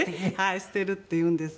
捨てるっていうんです。